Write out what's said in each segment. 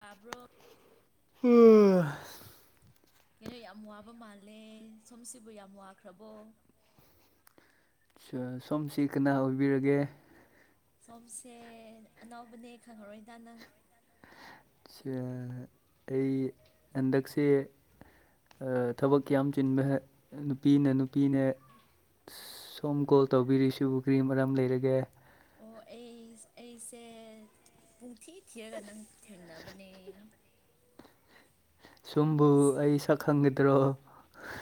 ꯇꯥꯕ꯭ꯔꯣ ꯍꯣ ꯀꯩꯅꯣ ꯌꯥꯝ ꯋꯥꯕ ꯃꯥꯜꯂꯦ ꯁꯣꯝꯁꯤꯕꯨ ꯌꯥꯝ ꯋꯥꯈ꯭ꯔꯕꯣ ꯁꯣꯝꯁꯤ ꯀꯅꯥ ꯑꯣꯏꯕꯤꯔꯒꯦ ꯁꯣꯝꯁꯦ ꯑꯥꯅꯧꯕꯅꯦ ꯈꯪꯉꯔꯣꯏꯗ ꯅꯪ ꯁꯦ ꯑꯩ ꯍꯟꯗꯛꯁꯦ ꯊꯕꯛꯇꯤ ꯀꯤꯌꯥꯝ ꯆꯤꯟꯕ ꯅꯨꯄꯤꯅ ꯅꯨꯄꯤꯅꯦ ꯁꯣꯝ ꯀꯣꯜ ꯇꯧꯕꯤꯔꯤꯁꯤꯕꯨ ꯀ꯭ꯔꯤ ꯃꯔꯝ ꯂꯩꯔꯒꯦ ꯑꯣ ꯑꯩ ꯑꯩꯁꯦ ꯄꯨꯡꯊꯤ ꯊꯤꯔꯒ ꯅꯪ ꯊꯦꯡꯅꯕꯅꯦ ꯁꯨꯝꯕꯨ ꯑꯩ ꯁꯛ ꯈꯪꯒꯗ꯭ꯔꯣ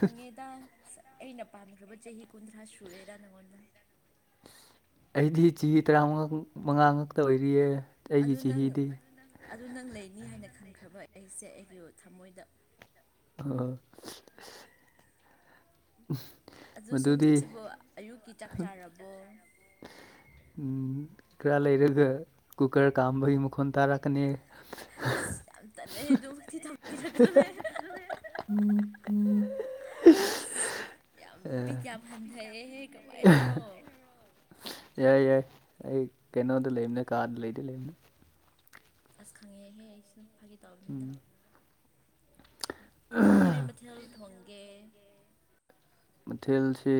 ꯈꯪꯉꯦꯗ ꯑꯩꯅ ꯄꯥꯟꯈ꯭ꯔꯕ ꯆꯍꯤ ꯀꯨꯟꯊ꯭ꯔꯥ ꯁꯨꯔꯦꯗ ꯅꯪꯉꯣꯟꯗ ꯑꯩꯗꯤ ꯆꯤ ꯇꯔꯥꯃꯉꯥ ꯃꯉꯥ ꯉꯛꯇ ꯑꯣꯏꯔꯤꯌꯦ ꯑꯩꯒꯤ ꯑꯗꯨ ꯅꯪ ꯆꯍꯤꯗꯤ ꯑꯗꯨ ꯅꯪ ꯂꯩꯅꯤ ꯍꯥꯏꯅ ꯈꯟꯈ꯭ꯔꯥꯕ ꯑꯩꯁꯦ ꯑꯩꯒꯤ ꯊꯃꯣꯏꯗ ꯑꯥ ꯑꯗꯣ ꯁꯣꯝ ꯃꯗꯨꯗꯤ ꯁꯤꯕꯣ ꯑꯌꯨꯛꯀꯤ ꯆꯥꯛ ꯆꯥꯔꯕꯣ ꯎꯝ ꯈꯔ ꯂꯩꯔꯒ ꯀꯨꯀꯔ ꯀꯥꯝꯕꯒꯤ ꯃꯈꯣꯟ ꯇꯥꯔꯛ ꯑꯁ ꯌꯥꯝ ꯇꯜꯂꯦ ꯑꯗꯨꯃꯛꯇꯤ ꯊꯝꯕꯤꯔꯛꯀꯗꯕꯦ ꯑꯁ ꯌꯥꯝ ꯕꯤꯠ [unintelligible] [unintelligible] ꯌꯥꯝ ꯍꯟꯊꯩꯑꯦꯍꯦ ꯀꯃꯥꯏꯅꯔꯣ ꯌꯥꯏ ꯌꯥꯏ ꯑꯩ ꯀꯩꯅꯣꯗ ꯂꯩꯕꯅꯦ ꯀꯥꯗ ꯂꯩꯗꯤ ꯂꯩꯕꯅꯦ ꯑꯁ ꯈꯪꯉꯦꯍꯦ ꯑꯩꯁꯨ ꯐꯥꯒꯤ ꯇꯧꯕꯅꯤꯗ ꯀꯔꯤ ꯃꯊꯦꯜ ꯊꯣꯡꯒꯦ ꯃꯊꯦꯜꯁꯤ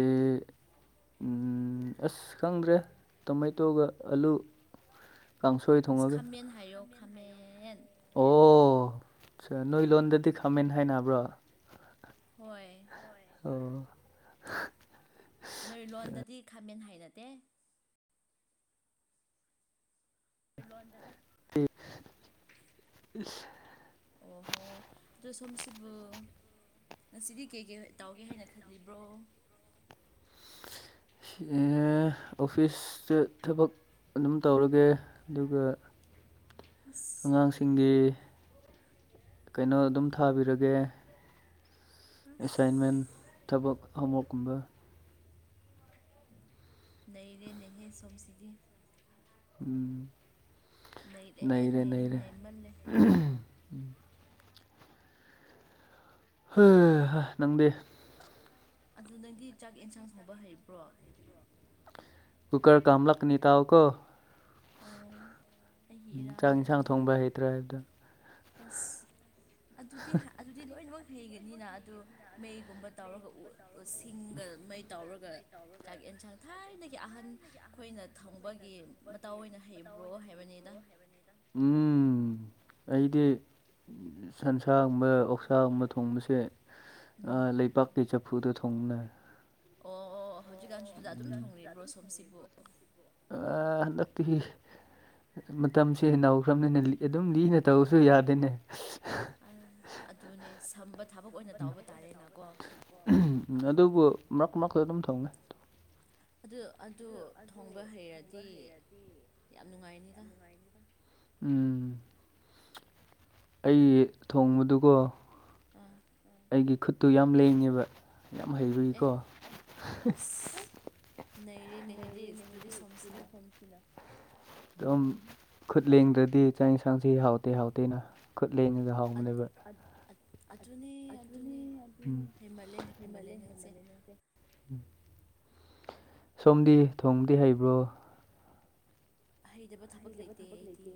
ꯎꯝ ꯑꯁ ꯈꯪꯗ꯭ꯔꯦ ꯇꯣꯃꯦꯇꯣꯒ ꯑꯂꯨ ꯀꯥꯡꯁꯣꯏ ꯑꯁ ꯊꯣꯡꯉꯒꯦ ꯈꯥꯃꯦꯟ ꯍꯥꯏꯌꯣ ꯈꯥꯃꯦꯟ ꯑꯣ ꯆꯥ ꯅꯣꯏ ꯂꯣꯟꯗꯗꯤ ꯈꯥꯃꯦꯟ ꯍꯥꯏꯅꯕ꯭ꯔꯥ ꯍꯣꯏ ꯑꯣ ꯅꯣꯏ ꯂꯣꯟꯗꯗꯤ ꯈꯥꯃꯦꯟ ꯍꯥꯏꯅꯗꯦ [unintelligible] ꯑꯣꯍꯣ ꯑꯗꯨ ꯁꯣꯝꯁꯤꯕꯨ ꯉꯁꯤꯗꯤ ꯀꯩ ꯀꯩ ꯇꯥꯎꯒꯦ ꯍꯥꯏꯅ ꯈꯜꯂꯤꯕ꯭ꯔꯣ ꯁꯤꯑꯦ ꯑꯣꯐꯤꯁꯇ ꯊꯕꯛ ꯑꯗꯨꯝ ꯇꯧꯔꯒꯦ ꯑꯗꯨꯒ ꯑꯁ ꯑꯉꯥꯡꯁꯤꯡꯒꯤ ꯀꯩꯅꯣ ꯑꯗꯨꯝ ꯊꯥꯕꯤꯔꯒꯦ ꯑꯁ ꯑꯦꯁꯥꯏꯟꯃꯦꯟ ꯊꯕꯛ ꯑꯃꯒꯨꯝꯕ ꯅꯩꯔꯦ ꯅꯦꯍꯦ ꯁꯣꯝꯁꯤꯗꯤ ꯎꯝ ꯅꯩꯔꯦ ꯅꯩꯔꯦ ꯎꯝ ꯍꯥ ꯍꯥ ꯅꯪꯗꯤ ꯑꯗꯨ ꯅꯪꯗꯤ ꯆꯥꯛ ꯑꯦꯟꯁꯥꯡ ꯊꯣꯡꯕ ꯍꯩꯕ꯭ꯔꯣ ꯀꯨꯀꯔ ꯀꯥꯝꯂꯛꯀꯅꯤ ꯇꯥꯎꯀꯣ ꯑꯣ ꯑꯩꯒꯤ ꯆꯥꯛ ꯏꯔꯥꯜꯅꯦ ꯏꯟꯁꯥꯡ ꯑꯗꯨꯗꯤ ꯊꯣꯡꯕ ꯍꯩꯇ꯭ꯔꯥ ꯗꯣ ꯑꯁ ꯑꯗꯨꯗꯤ ꯍꯥ ꯑꯗꯨꯗꯤ ꯂꯣꯏꯅꯃꯛ ꯍꯩꯒꯅꯤꯅ ꯑꯗꯨ ꯃꯩꯒꯨꯝꯕ ꯇꯧꯔꯒ ꯎ ꯁꯤꯡꯒ ꯃꯩ ꯇꯧꯔꯒ ꯆꯥꯛ ꯌꯦꯟꯁꯥꯡ ꯊꯥꯏꯅꯒꯤ ꯑꯍꯟ ꯈꯣꯏꯅ ꯊꯪꯕꯒꯤ ꯃꯇꯧ ꯑꯣꯏꯅ ꯍꯩꯕ꯭ꯔꯣ ꯍꯥꯏꯕꯅꯤꯗ ꯎꯝ ꯑꯩꯗꯤ ꯁꯟꯁꯥꯒꯨꯝꯕ ꯑꯣꯛꯁꯥꯒꯨꯝꯕ ꯊꯣꯡꯕꯁꯦ ꯎꯝ ꯑꯥ ꯂꯩꯄꯥꯛꯇꯩ ꯆꯐꯨꯗ ꯊꯣꯡꯕꯅꯦ ꯑꯣ ꯑꯣ ꯍꯧꯖꯤꯛꯀꯥꯟꯁꯨ ꯑꯗꯨꯗ ꯑꯗꯨꯝ ꯊꯣꯡꯔꯤꯕ꯭ꯔꯣ ꯁꯣꯝꯁꯤꯕꯨ ꯑꯥ ꯍꯟꯗꯛꯇꯤ ꯃꯇꯝꯁꯦ ꯅꯧꯈ꯭ꯔꯝꯅꯤꯅ ꯑꯗꯨꯝ ꯂꯤꯅ ꯇꯧꯔꯁꯨ ꯌꯥꯗꯦꯅꯦ ꯑꯥ ꯑꯗꯨꯅꯦ ꯁꯝꯕ ꯊꯕꯛ ꯑꯣꯏꯅ ꯇꯥꯎꯕ ꯇꯥꯔꯦꯅꯀꯣ ꯑꯗꯨꯕꯨ ꯃꯔꯛ ꯃꯔꯛꯇ ꯑꯗꯨꯝ ꯊꯣꯡꯉꯦ ꯑꯗꯨ ꯑꯗꯨ ꯊꯣꯡꯕ ꯍꯩꯔꯗꯤ ꯌꯥꯝ ꯅꯨꯡꯉꯥꯏꯅꯤꯗ ꯎꯝ ꯑꯩ ꯊꯣꯡꯕꯗꯨꯀꯣ ꯑꯥ ꯑꯩꯒꯤ ꯈꯨꯠꯇꯨ ꯌꯥꯝ ꯂꯦꯡꯉꯦꯕ ꯌꯥꯝ ꯍꯩꯕꯩ ꯑꯦ ꯑꯁ ꯅꯩꯔꯦꯅꯦ ꯍꯦꯂꯤꯁ ꯇꯨꯗꯤ ꯁꯣꯝꯁꯤꯅ ꯗꯨꯝ ꯈꯨꯠ ꯂꯦꯡꯗ꯭ꯔꯗꯤ ꯆꯥꯛ ꯌꯦꯟꯁꯥꯡꯁꯤ ꯍꯥꯎꯇꯦ ꯍꯥꯎꯇꯦꯅ ꯈꯨꯠ ꯂꯦꯡꯉꯒ ꯑꯗ ꯍꯥꯎꯕꯅꯦꯕ ꯑꯗꯨꯅꯦ ꯑꯗꯨꯅꯦ ꯎꯝ ꯍꯩꯃꯜꯂꯦ ꯍꯩꯃꯜꯂꯦ ꯅꯪꯁꯦ ꯎꯝ ꯁꯣꯝꯗꯤ ꯊꯣꯡꯕꯗꯤ ꯍꯩꯕ꯭ꯔꯣ ꯍꯩꯗꯕ ꯊꯕꯛ ꯂꯩꯇꯦ ꯑꯩꯗꯤ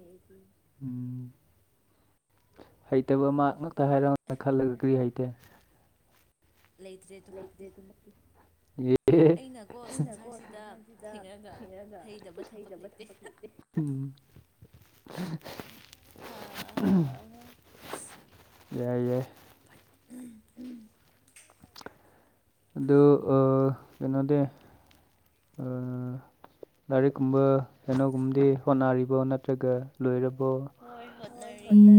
ꯎꯝ ꯍꯩꯇꯕ ꯑꯃ ꯉꯛꯇ ꯍꯥꯏꯔꯧꯅꯦ ꯈꯜꯂꯒ ꯀꯔꯤ ꯍꯩꯇꯦ ꯂꯩꯇ꯭ꯔꯦ ꯑꯗꯨꯃꯛꯇꯤ ꯂꯩꯇ꯭ꯔꯦꯗꯤ ꯂꯩꯇꯦ ꯌꯦ ꯑꯩꯅꯀꯣ ꯁꯪꯁꯥꯔꯁꯤꯗ ꯍꯤꯡꯉꯒ ꯍꯩꯗꯕ ꯊꯕꯛ ꯂꯩꯇꯦ ꯎꯝ [unintelligible] ꯍꯥꯥ ꯍꯥ ꯌꯥꯏ ꯌꯥꯏ ꯑꯗꯨ ꯑꯥ ꯀꯩꯅꯣꯗꯤ ꯑꯥ ꯂꯥꯏꯔꯤꯛ ꯀꯨꯝꯕ ꯀꯩꯅꯣꯒꯨꯝꯕꯗꯤ ꯍꯣꯠꯅꯔꯤꯕꯣ ꯅꯠꯇ꯭ꯔꯒ ꯂꯣꯏꯔꯕꯣ ꯍꯣꯏ ꯍꯣꯠꯅꯔꯤꯌꯦ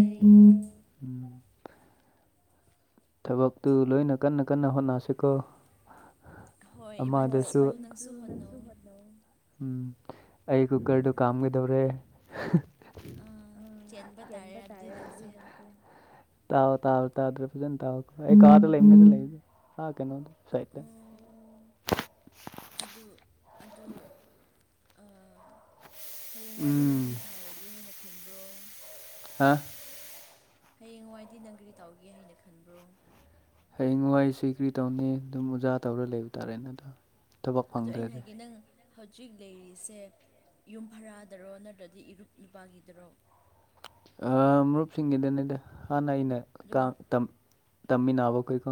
ꯎꯝ ꯊꯕꯛꯇꯨ ꯂꯣꯏꯅ ꯀꯟꯅ ꯀꯟꯅ ꯍꯣꯠꯅꯁꯤꯀꯣ ꯍꯣꯏ ꯑꯃꯗꯨꯁꯨ ꯏꯕꯥꯅꯤꯁꯨ ꯍꯣꯏ ꯏꯕꯥꯅꯤꯁꯨ ꯅꯪꯁꯨ ꯍꯣꯠꯅꯧ ꯍꯣꯠꯅꯧꯋꯣ ꯎꯝ ꯑꯩ ꯀꯨꯀꯔꯗꯨ ꯀꯥꯝꯒꯗꯧꯔꯦ ꯍ ꯑꯥ ꯑ ꯆꯦꯟꯕ ꯍꯦꯟꯕ ꯑꯗꯨꯗꯤ ꯇꯥꯔꯦ ꯅꯪꯁꯦ ꯑꯗꯨꯒꯤ ꯃꯇꯨꯡ ꯇꯥꯎ ꯇꯥꯎ ꯇꯥꯗ꯭ꯔ ꯐꯖꯅ ꯇꯥꯎ ꯑꯩ ꯀꯥꯗ ꯂꯩꯕꯅꯦꯗ ꯂꯩꯕꯖꯤ ꯑꯥ ꯀꯩꯅꯣꯗ ꯁꯥꯏꯠꯇ ꯎꯝ ꯑꯗꯨ ꯑꯗꯨ ꯑꯥ ꯍꯌꯦꯡꯋꯥꯏꯗꯤ ꯅꯪ ꯎꯝ ꯀꯔꯤ ꯊꯥꯍꯧꯒꯦ ꯍꯥꯏꯅ ꯈꯟꯕ꯭ꯔꯣ ꯑ ꯍꯌꯦꯡꯋꯥꯏꯗꯤ ꯅꯪ ꯒ꯭ꯔꯤ ꯇꯥꯎꯒꯦ ꯍꯥꯏꯅ ꯈꯟꯕ꯭ꯔꯣ ꯍꯌꯦꯡꯋꯥꯏꯁꯤ ꯀ꯭ꯔꯤ ꯇꯧꯅꯤ ꯗꯨꯝ ꯃꯣꯖꯥ ꯇꯧꯔ ꯂꯩꯕ ꯇꯥꯔꯦꯅꯦ ꯗꯣ ꯑꯗꯣ ꯑꯩꯅ ꯍꯥꯏꯒꯦ ꯅꯪ ꯍꯧꯖꯤꯛ ꯂꯩꯔꯤꯁꯦ ꯌꯨꯝ ꯚꯔꯥꯗꯔꯣ ꯅꯠꯇ꯭ꯔꯗꯤ ꯏꯔꯨꯞ ꯅꯨꯄꯥꯒꯤꯗꯔꯣ ꯑꯥ ꯃꯔꯨꯞꯁꯤꯡꯒꯤꯗꯅꯤꯗ ꯍꯥꯟꯅ ꯑꯩꯅ ꯀꯥ ꯑꯗꯨꯒ ꯇꯝ ꯇꯝꯃꯤꯟꯅꯥꯕ ꯈꯣꯏꯀꯣ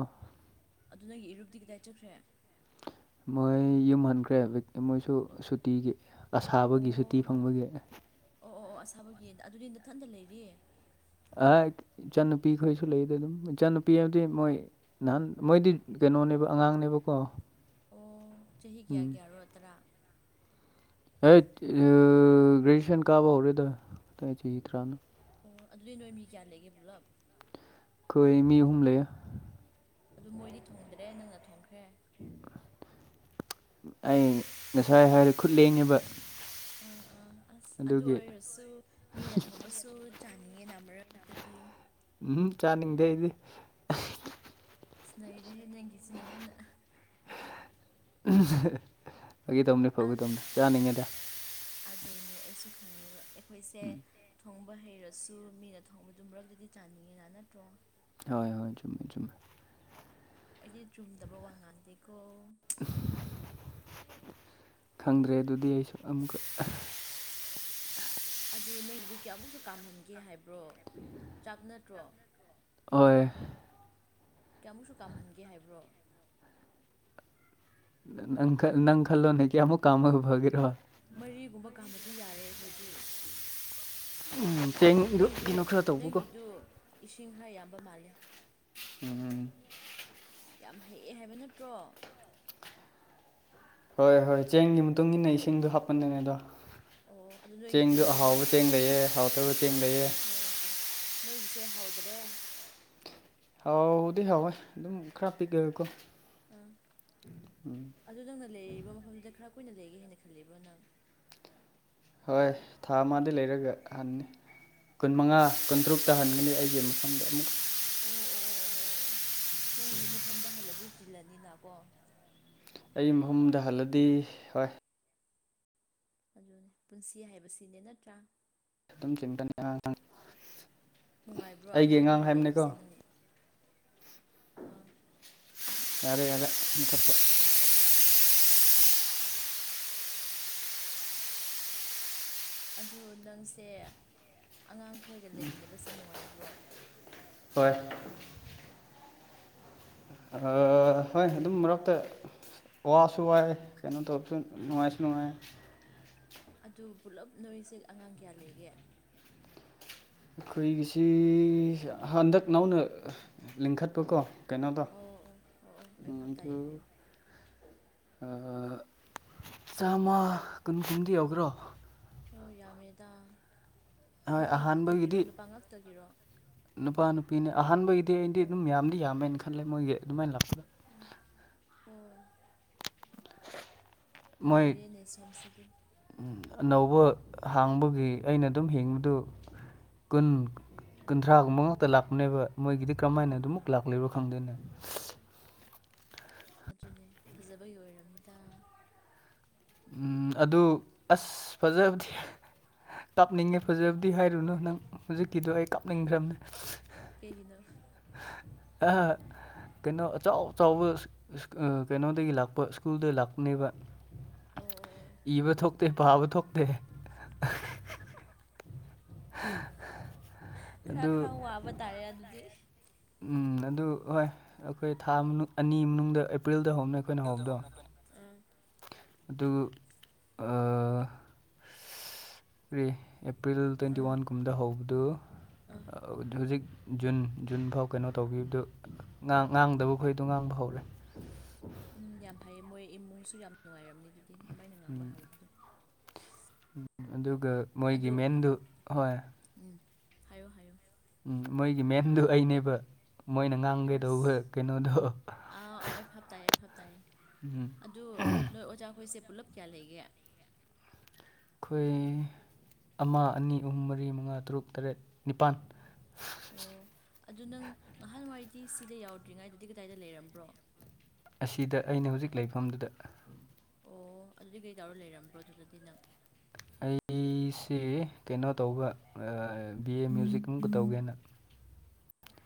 ꯑꯗꯨ ꯅꯪꯒꯤ ꯏꯔꯨꯞꯇꯤ ꯀꯗꯥꯏ ꯆꯠꯈ꯭ꯔꯦ ꯃꯣꯏ ꯌꯨꯝ ꯍꯟꯈ꯭ꯔꯦ ꯖꯤꯛꯇꯤ ꯃꯣꯏꯁꯨ ꯁꯨꯇꯤꯒꯤ ꯑꯣ ꯑꯁꯥꯕꯒꯤ ꯁꯨꯇꯤ ꯐꯪꯕꯒꯤ ꯑꯣ ꯑꯣ ꯑꯣ ꯑꯁꯥꯕꯒꯤ ꯑꯗꯨꯗꯤ ꯅꯊꯟꯗ ꯂꯩꯔꯤ ꯑꯥ ꯏꯆꯟꯅꯨꯄꯤ ꯈꯣꯏꯁꯨ ꯂꯩꯗ ꯑꯗꯨꯝ ꯏꯆꯟꯅꯨꯄꯤ ꯍꯥꯏꯕꯗꯤ ꯃꯣꯏ ꯅꯥꯍꯟ ꯃꯣꯏꯗꯤ ꯀꯩꯅꯣꯅꯦꯕ ꯑꯉꯥꯡꯅꯦꯕꯀꯣ ꯑꯣ ꯆꯍꯤ ꯒ꯭ꯌꯥ ꯎꯝ ꯒ꯭ꯌꯥꯔꯣ ꯇꯔꯥ ꯑꯩꯠ ꯑ ꯒ꯭ꯔꯦꯖꯨꯌꯦꯁꯟ ꯀꯥꯕ ꯍꯧꯔꯦꯗ ꯀꯗꯥꯏ ꯆꯍꯤ ꯇꯔꯥꯅꯣ ꯑꯣ ꯑꯗꯨꯗꯤ ꯅꯣꯏ ꯃꯤ ꯀꯌꯥ ꯂꯩꯒꯦ ꯄꯨꯂꯞ ꯈꯣꯏ ꯃꯤ ꯑꯍꯨꯝ ꯂꯩꯌꯦ ꯑꯗꯨ ꯃꯣꯏꯗꯤ ꯊꯣꯡꯗꯔꯦ ꯅꯪꯅ ꯊꯣꯡꯈ꯭ꯔꯦ ꯑꯩ ꯉꯁꯥꯏ ꯍꯥꯏꯔꯦ ꯈꯨꯠ ꯂꯦꯡꯉꯦꯕ ꯑ ꯑ ꯑꯁ ꯑꯗꯨ ꯑꯗꯨꯒꯤ ꯑꯣꯏꯔꯁꯨ ꯃꯤꯅ ꯊꯣꯡꯕꯁꯨ ꯆꯥꯅꯤꯡꯉꯦꯅ ꯑꯃꯔꯛꯇꯗꯤ ꯎꯝꯍꯨꯝ ꯆꯥꯅꯤꯡꯗꯦ ꯑꯩꯗꯤ ꯑꯁ ꯅꯩꯔꯦꯍꯦ ꯅꯪꯒꯤꯖꯤꯅ ꯍꯦꯟꯅ ꯐꯥꯒꯤ ꯇꯧꯕꯅꯦ ꯐꯥꯒꯤ ꯑꯗꯨ ꯇꯧꯅꯦ ꯆꯥꯅꯤꯡꯉꯦꯗ ꯑꯗꯨꯅꯦ ꯑꯩꯁꯨ ꯈꯪꯉꯦꯕ ꯑꯦꯈꯣꯏꯁꯦ ꯎꯝ ꯊꯣꯡꯕ ꯍꯩꯔ ꯁꯨ ꯃꯤꯅ ꯊꯣꯡꯕꯗꯨ ꯃꯔꯛꯇꯗꯤ ꯆꯥꯅꯤꯡꯉꯦꯅꯥ ꯅꯠꯇ꯭ꯔꯣ ꯍꯣꯏ ꯍꯣꯏ ꯆꯨꯝꯃꯦ ꯆꯨꯝꯃꯦ ꯑꯩꯗꯤ ꯆꯨꯝꯗꯕ ꯋꯥ ꯉꯥꯡꯗꯦꯀꯣ ꯈꯪꯗ꯭ꯔꯦ ꯗꯨꯗꯤ ꯑꯩꯁꯨ ꯑꯃꯨꯛꯀ ꯑꯗꯨ ꯅꯪꯒꯤꯗꯨ ꯀꯌꯥꯃꯨꯛꯁꯨ ꯀꯥꯝꯍꯟꯒꯦ ꯍꯥꯏꯕ꯭ꯔꯣ ꯆꯥꯛ ꯅꯠꯇ꯭ꯔꯣ ꯑꯣꯏ ꯀꯌꯥꯃꯨꯛꯁꯨ ꯀꯥꯝꯍꯟꯒꯦ ꯍꯥꯏꯕ꯭ꯔꯣ ꯅꯪ ꯈ ꯅꯪ ꯈꯜꯂꯣꯅꯦ ꯀꯌꯥꯃꯨꯛ ꯀꯥꯝꯃꯒ ꯐꯒꯦꯔꯣ ꯃꯔꯤꯒꯨꯝꯕ ꯀꯥꯝꯃꯗꯤ ꯌꯥꯔꯦ ꯑꯩꯈꯣꯏꯗꯤ ꯎꯝ ꯆꯦꯡꯗꯨ ꯅꯣꯏꯒꯤꯗꯨꯏ ꯀꯩꯅꯣ ꯈꯔ ꯇꯧꯕꯀꯣ ꯅꯪꯒꯤꯗꯨ ꯏꯁꯤꯡ ꯈꯔ ꯌꯥꯝꯕ ꯃꯥꯜꯂꯦ ꯎꯍꯨꯝ ꯌꯥꯝ ꯍꯩꯌꯦ ꯍꯥꯏꯕ ꯅꯠꯇ꯭ꯔꯣ ꯍꯣꯏ ꯍꯣꯏ ꯆꯦꯡꯒꯤ ꯃꯇꯨꯡ ꯏꯟꯅ ꯏꯁꯤꯡꯗꯣ ꯍꯥꯞꯄꯅꯤꯅꯦ ꯑꯗꯣ ꯑꯣ ꯑꯗꯨ ꯅꯣꯏꯒꯤ ꯆꯦꯡꯗꯣ ꯆꯦꯡꯁꯦ ꯍꯥ ꯑꯍꯥꯎꯕ ꯆꯦꯡ ꯂꯩꯌꯦ ꯍꯥꯎꯇꯕ ꯆꯦꯡ ꯂꯩꯌꯦ ꯍꯣꯏ ꯅꯣꯏꯒꯤꯁꯦ ꯍꯥꯎꯗꯔꯦ ꯍꯥꯎꯕꯗꯤ ꯍꯥꯎꯋꯦ ꯑꯗꯨꯝ ꯈꯔ ꯄꯤꯛꯑꯒꯀꯣ ꯑꯥ ꯎꯝ ꯑꯗꯨ ꯅꯪꯅ ꯂꯩꯔꯤꯕ ꯃꯐꯝꯗꯨꯗ ꯈꯔ ꯀꯨꯏꯅ ꯂꯩꯒꯦ ꯍꯥꯏꯅ ꯈꯜꯂꯤꯕ꯭ꯔꯣ ꯅꯪ ꯍꯣꯏ ꯊꯥ ꯑꯃꯥꯗꯤ ꯂꯩꯔꯒ ꯍꯟꯅꯤ ꯀꯨꯟꯃꯉꯥ ꯀꯨꯟꯇꯔꯨꯛꯇ ꯍꯟꯒꯅꯤ ꯑꯩꯒꯤ ꯃꯐꯝꯗ ꯑꯃꯨꯛ ꯑꯣ ꯑꯣ ꯑꯣ ꯑꯣ ꯑꯣ ꯅꯪꯒꯤ ꯃꯐꯝꯗ ꯍꯜꯂꯗꯤ ꯆꯤꯜꯂꯅꯤꯅꯥꯀꯣ ꯑꯩ ꯃꯍꯝꯗ ꯍꯜꯂꯗꯤ ꯍꯣꯏ ꯑꯗꯨꯅꯦ ꯄꯨꯟꯁꯤ ꯍꯥꯏꯕꯁꯤꯅꯦ ꯅꯠꯇ꯭ꯔꯥ ꯑꯗꯨꯝ ꯆꯤꯡꯒꯅꯤ ꯑꯉꯥꯡ ꯅꯨꯡꯉꯥꯏꯕ꯭ꯔꯣ ꯑꯩꯒꯤ ꯑꯉꯥꯡ ꯑꯉꯥꯡꯈꯣꯏꯒ ꯍꯥꯏꯕꯅꯤꯀꯣ ꯂꯩꯕꯁꯦ ꯅꯪ ꯑꯥ ꯌꯥꯔꯦ ꯌꯥꯔꯦ ꯃꯨꯊꯠꯄ ꯑꯗꯨ ꯅꯪꯁꯦ ꯑꯉꯥꯡꯈꯣꯏꯒ ꯂꯩꯃꯤꯟꯅꯕꯁꯦ ꯅꯨꯡꯉꯥꯏꯕ꯭ꯔꯣ ꯍꯣꯏ ꯑꯥ ꯍꯣꯏ ꯑꯗꯨꯝ ꯃꯔꯛꯇ ꯋꯥꯁꯨ ꯋꯥꯥꯏ ꯀꯩꯅꯣ ꯇꯧꯕꯁꯨ ꯅꯨꯡꯉꯥꯏꯁꯨ ꯅꯨꯡꯉꯥꯏ ꯑꯗꯨ ꯄꯨꯂꯞ ꯅꯣꯏꯁꯦ ꯑꯉꯥꯡ ꯀꯌꯥ ꯂꯩꯒꯦ ꯑꯈꯣꯏꯒꯤꯁꯤ ꯍꯟꯗꯛ ꯅꯧꯅ ꯂꯤꯡꯈꯠꯄꯀꯣ ꯀꯩꯅꯣꯗꯣ ꯑꯣ ꯑꯣ ꯑꯣ ꯑꯣ ꯑ ꯑꯩ ꯚꯥꯞ ꯑꯗꯨ ꯇꯥꯏꯌꯦ ꯍꯥꯏꯌꯨ ꯑꯥ ꯆꯥꯝꯃ ꯀꯨꯟ ꯀꯨꯟꯗꯤ ꯌꯧꯒꯦꯔꯣ ꯑꯣ ꯌꯥꯝꯃꯦꯗ ꯍꯣꯏ ꯅꯨꯄꯤ ꯉꯥꯛꯇꯒꯤꯔꯣ ꯑꯍꯥꯟꯕꯒꯤꯗꯤ ꯅꯨꯄꯥ ꯉꯥꯛꯇꯒꯤꯔꯣ ꯅꯨꯄꯥ ꯅꯨꯄꯤꯅꯦ ꯑꯍꯥꯟꯕꯒꯤꯗꯤ ꯑꯩꯗꯤ ꯑꯣ ꯑꯗꯨꯝ ꯌꯥꯝꯗꯤ ꯌꯥꯝꯃꯦꯅ ꯈꯜꯂꯦ ꯃꯣꯏꯒꯤ ꯑꯗꯨꯃꯥꯏꯅ ꯂꯥꯛꯄꯗ ꯎꯝ ꯍꯣꯏ ꯃꯣꯏ ꯅꯩꯔꯦꯅꯦ ꯁꯣꯝꯁꯤꯗꯤ ꯎꯝ ꯑꯅꯧꯕ ꯍꯥꯡꯕꯒꯤ ꯑꯩꯅ ꯑꯗꯨꯝ ꯍꯤꯡꯕꯗꯨ ꯀꯨꯟ ꯀꯨꯟꯊ꯭ꯔꯥꯒꯨꯝꯕ ꯉꯥꯛꯇ ꯂꯥꯛꯄꯅꯦꯕ ꯃꯣꯏꯒꯤꯗꯤ ꯀ꯭ꯔꯃꯥꯏꯅ ꯑꯗꯨꯅꯦ ꯑꯗꯨꯃꯨꯛ ꯂꯥꯛꯂꯤꯕ ꯈꯪꯗꯦꯅꯦ ꯑꯗꯨꯅꯦ ꯐꯖꯕꯒꯤ ꯑꯣꯏꯔꯝꯅꯤꯗꯥ ꯎꯝ ꯑꯗꯨ ꯑꯁ ꯐꯖꯕꯗꯤ ꯀꯥꯞꯅꯤꯡꯉꯦ ꯐꯖꯕꯗꯤ ꯍꯥꯏꯔꯨꯅꯨ ꯅꯪ ꯍꯨꯖꯤꯛꯀꯤꯗꯣ ꯑꯩ ꯀꯥꯞꯅꯤꯡꯈ꯭ꯔꯕꯅꯦ ꯀ‌ꯦꯒꯤꯅꯣ ꯑꯥ ꯀꯩꯅꯣ ꯑꯆꯥꯎ ꯆꯥꯎꯕ ꯏꯁ ꯏꯁ ꯑ ꯀꯩꯅꯣꯗꯒꯤ ꯂꯥꯛꯄ ꯏꯁ꯭ꯀꯨꯜꯗ ꯂꯥꯛꯄꯅꯦꯕ ꯑ‌ꯣ ꯑꯣ ꯑꯣ ꯏꯕ ꯊꯣꯛꯇꯦ ꯄꯥꯕ ꯊꯣꯛꯇꯦ ꯈ꯭ꯔ ꯑꯗꯨ ꯈ꯭ꯔ ꯋꯥꯕ ꯇꯥꯔꯦ ꯑꯗꯨꯗꯤ ꯎꯝ ꯑꯗꯨ ꯍꯣꯏ ꯑꯈꯣꯏ ꯊꯥ ꯃꯅꯨꯡ ꯑꯅꯤ ꯃꯅꯨꯡꯗ ꯑꯦꯄ꯭ꯔꯤꯜꯗ ꯍꯧꯅ‌ꯦ ꯕꯤꯜꯗꯧ ꯍꯧꯅꯦ ꯑꯈꯣꯏꯅ ꯑꯥ ꯑꯗꯨ ꯑ ꯀꯔꯤ ꯑꯦꯄ꯭ꯔꯤꯜ ꯇ꯭ꯋꯦꯟꯇꯤ ꯑꯥ ꯋꯥꯟꯒꯨꯝꯗ ꯍꯧꯕꯗꯨ ꯑꯥ ꯍꯨꯖꯤꯛ ꯖꯨꯟ ꯖꯨꯟ ꯐꯥꯎ ꯀꯩꯅꯣ ꯇꯧꯒꯤꯕꯗꯨ ꯉꯥꯡ ꯉꯥꯡꯗꯕ ꯈꯣꯏꯗꯣ ꯉꯥꯡꯕ ꯍꯧꯔꯦ ꯎꯝ ꯌꯥꯝ ꯐꯩꯌꯦ ꯃꯣꯏ ꯏꯃꯨꯡꯁꯨ ꯌꯥꯝ ꯅꯨꯡꯉꯥꯏꯔꯝꯅꯤ ꯗꯨꯗꯤ ꯗꯨꯃꯥꯏꯅ ꯉꯥꯡꯕ ꯍꯧꯕꯗꯨ ꯑꯗꯨꯒ ꯃꯣꯏꯒꯤ ꯑꯗꯨ ꯃꯦꯟꯗꯨ ꯍꯣꯏ ꯎꯝ ꯍꯥꯏꯌꯣ ꯍꯥꯏꯌꯣ ꯎꯝ ꯃꯣꯏꯒꯤ ꯃꯦꯟꯗꯣ ꯑꯩꯅꯦꯕ ꯃꯣꯏꯅ ꯉꯥꯡꯒꯦ ꯗꯧꯕ ꯀ‌ꯦꯅꯣꯗꯣ ꯑꯥꯎ ꯑꯥꯎ ꯑꯩ ꯐꯥꯞ ꯇꯥꯏ ꯑꯩ ꯐꯥꯞ ꯇꯥꯏꯌꯦ ꯎꯝ ꯑꯗꯨ ꯅꯣꯏ ꯑꯣꯖꯥ ꯈꯣꯏꯁꯦ ꯄꯨꯂꯞ ꯀꯌꯥ ꯂꯩꯒꯦ ꯈꯣꯏ ꯑꯃꯥ ꯑꯅꯤ ꯑꯍꯨꯝ ꯃꯔꯤ ꯃꯉꯥ ꯇꯔꯨꯛ ꯇꯔꯦꯠ ꯅꯤꯄꯥꯟ ꯑꯣ ꯑꯗꯨ ꯅꯪ ꯉꯍꯥꯟꯋꯥꯥꯏꯗꯤ ꯁꯤꯗ ꯌꯥꯎꯗ꯭ꯔꯤ ꯉꯥꯏꯗꯗꯤ ꯀꯗꯥꯏꯗ ꯂꯩꯔꯝꯕ꯭ꯔꯣ ꯑꯁꯤꯗ ꯑꯩꯅ ꯍꯨꯖꯤꯛ ꯂꯩꯐꯝꯗꯨꯗ ꯑꯣ ꯑꯗꯨꯗꯤ ꯒꯩ ꯇꯧꯔꯥ ꯂꯩꯔꯝꯕ꯭ꯔꯣ ꯑꯗꯨꯗꯗꯤ ꯅꯪ ꯑꯩꯁ‌ꯦ ꯀ‌ꯩꯅꯣ ꯇꯧꯕ ꯑꯥ ꯕꯤ ꯑꯦ ꯃ꯭ꯌꯨꯖꯤꯛ ꯑꯃꯨꯛ ꯀ ꯇꯧꯒꯦꯅ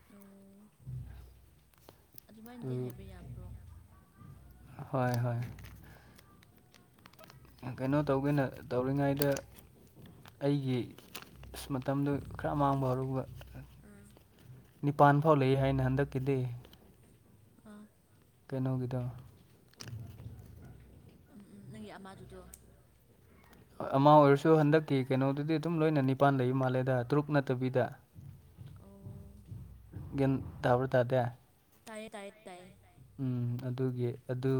[unintelligible] ꯑꯗꯨ ꯃꯥꯏꯟꯗꯤ ꯍꯥꯏꯕ ꯌꯥꯕ꯭ꯔꯣ ꯍꯣꯏ ꯍꯣꯏ ꯑꯥ ꯀꯩꯅꯣ ꯇꯧꯒꯦꯅ ꯇꯧꯔꯤꯉꯩꯗ ꯑꯩꯒꯤ ꯑꯁ ꯃꯇꯝꯗꯨ ꯈꯔ ꯃꯥꯡꯕ ꯍꯧꯔꯨꯕ ꯑꯥ ꯅꯤꯄꯥꯟ ꯐꯥꯎ ꯂꯩ ꯍꯥꯏꯅ ꯍꯟꯗꯛꯀꯤꯗꯤ ꯑꯥ ꯀꯩꯅꯣ ꯒꯤꯗꯣ ꯎꯝ ꯎꯝ ꯅꯪꯒꯤ ꯑꯃꯥꯗꯨꯗꯣ ꯑꯃꯥ ꯑꯣꯏꯔꯁꯨ ꯍꯟꯗꯛꯀꯤ ꯀꯩꯅꯣꯗꯨꯗꯤ ꯗꯨꯝ ꯂꯣꯏꯅ ꯅꯤꯄꯥꯟ ꯂꯩ ꯃꯥꯜꯂꯦꯗ ꯇꯔꯨꯛ ꯅꯠꯇꯕꯤꯗ ꯑꯣ ꯒꯤꯟ ꯇꯥꯕ꯭ꯔꯥ ꯇꯥꯗꯦ ꯇꯥꯏꯌꯦ ꯇꯥꯏꯌꯦ ꯇꯥꯏ ꯎꯝ ꯑꯗꯨꯒꯤ ꯑꯗꯨ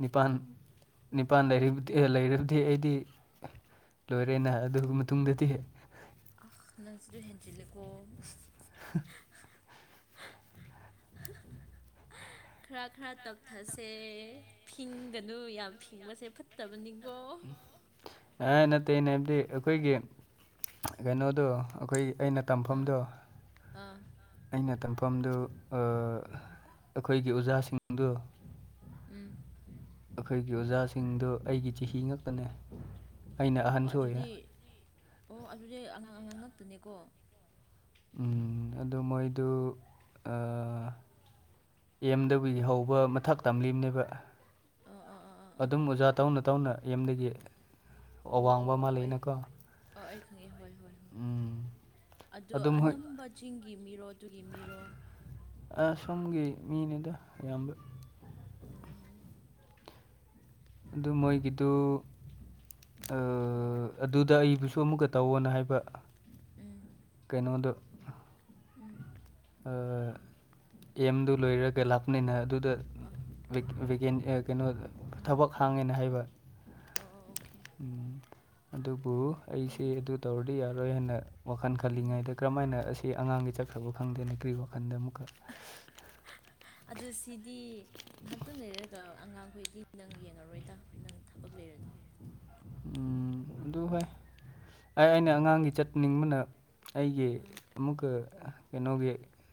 ꯅꯤꯄꯥꯟ ꯅꯤꯄꯥꯟ ꯂꯩꯔꯤꯕꯗꯤ ꯂꯩꯔꯕꯗꯤ ꯑꯩꯗꯤ ꯂꯣꯏꯔꯦꯅ ꯑꯗꯨ ꯃꯇꯨꯡꯗꯗꯤ ꯑꯍ ꯅꯪꯁꯤꯗ ꯍꯦꯟꯖꯤꯜꯂꯦꯀꯣ ꯍ [unintelligible] ꯈꯔ ꯈꯔ ꯇꯞꯊꯁꯦ ꯐꯤꯡꯒꯅꯨ ꯌꯥꯝ ꯐꯤꯡꯕꯁꯦ ꯐꯠꯇꯕꯅꯤꯀꯣ ꯑ ꯅꯠꯇꯦ ꯑꯩꯅ ꯍꯥꯏꯕꯗꯤ ꯑꯈꯣꯏꯒꯤ ꯒꯩꯅꯣꯗꯣ ꯑꯈꯣꯏꯒꯤ ꯑꯩꯅ ꯑꯥ ꯇꯝꯐꯝꯗꯣ ꯑꯥ ꯑꯩꯅ ꯇꯝꯐꯝꯗꯨ ꯑꯥ ꯑꯩꯈꯣꯏꯒꯤ ꯑꯣꯖꯥꯁꯤꯡꯗꯨ ꯎꯝ ꯑꯩꯈꯣꯏꯒꯤ ꯑꯣꯖꯥꯁꯤꯡꯗꯣ ꯑꯩꯒꯤ ꯆꯍꯤ ꯉꯥꯛꯇꯅꯦ ꯑꯣ ꯑꯗꯨꯗꯤ ꯑꯣ ꯑꯗꯨꯗꯤ ꯑꯉꯥꯡ ꯑꯉꯥꯡ ꯉꯥꯛꯇꯅꯤꯀꯣ ꯎꯝ ꯑꯗꯨ ꯃꯣꯏꯗꯨ ꯑꯥ ꯑꯦꯝ [unintelligible] ꯍꯧꯕ ꯃꯊꯛ ꯇꯝꯂꯤꯕꯅꯦꯕ ꯑꯥ ꯑꯥ ꯑꯥ ꯑꯥ ꯑꯥ ꯑꯗꯨꯝ ꯑꯣꯖꯥ ꯇꯧꯅ ꯇꯧꯅ ꯑꯦꯝꯗꯒꯤ ꯑꯣ ꯑꯣ ꯑꯋꯥꯡꯕ ꯑꯃ ꯑꯣ ꯑꯩ ꯂꯩꯅꯀꯣ ꯑꯥ ꯑꯩ ꯈꯪꯉꯦ ꯍꯣꯏ ꯍꯣꯏ ꯍꯣꯏ ꯎꯝ, ꯑꯗꯣ ꯑꯗꯨꯝ ꯍꯣꯏ ꯑꯅꯝꯕ ꯆꯤꯡꯒꯤ ꯃꯤꯔꯣ ꯑꯗꯨꯒꯤ ꯃꯤꯔꯣ ꯑꯥ ꯁꯣꯝꯒꯤ ꯃꯤꯅꯤꯗ ꯑꯌꯥꯝꯕ ꯎꯝ ꯑꯗꯨ ꯃꯣꯏꯒꯤꯗꯣ ꯑꯥ ꯑꯗꯨꯗ ꯑꯩꯕꯨꯁꯨ ꯑꯃꯨꯛꯀ ꯇꯧꯋꯣꯅ ꯍꯥꯏꯕ ꯎꯝ ꯀꯩꯅꯣꯗꯣ ꯎꯝ ꯑꯥ ꯑꯦꯝꯗꯣ ꯂꯣꯏꯔꯒ ꯂꯥꯛꯄꯅꯤꯅ ꯑꯗꯨꯗ ꯑꯥ ꯔꯤꯛ ꯍꯣꯏ ꯍꯣꯏ ꯔꯤꯒꯦꯟ ꯑꯦꯛ ꯀꯩꯅꯣ ꯎꯝ ꯊꯕꯛ ꯍꯥꯡꯉꯦꯅ ꯍꯥꯏꯕ ꯑꯣ ꯑꯣ ꯑꯣꯀꯦ ꯎꯝ ꯑꯗꯨꯕꯨ ꯑꯩꯁꯦ ꯎꯝ ꯑꯗꯨ ꯇꯧꯔꯗꯤ ꯌꯥꯔꯣꯏ ꯍꯥꯏꯅ ꯋꯥꯈꯜ ꯎꯝ ꯈꯜꯂꯤꯉꯩꯗ ꯀꯔꯝ ꯍꯥꯏꯅ ꯑꯁꯤ ꯑꯉꯥꯡꯒꯤ ꯆꯠꯈ꯭ꯔꯕ ꯈꯪꯗꯦꯅ ꯀ꯭ꯔꯤ ꯋꯥꯈꯟꯗ ꯑꯃꯨꯛꯀ ꯑꯗꯨ ꯁꯤꯗꯤ ꯉꯥꯍꯥꯛꯇꯪ ꯂꯩꯔꯒ ꯑꯉꯥꯡꯈꯣꯏꯗꯤ ꯅꯪ ꯌꯦꯡꯉꯔꯣꯏꯗ ꯅꯪ ꯊꯕꯛ ꯂꯩꯔꯗꯤ ꯎꯝ ꯑꯗꯨ ꯍꯣꯏ ꯑꯩ ꯑꯩꯅ ꯑꯉꯥꯡꯒꯤ ꯆꯠꯅꯤꯡꯕꯅ ꯑꯩꯒꯤ ꯎꯝ ꯑꯃꯨꯛꯀ ꯀꯩꯅꯣꯒꯤ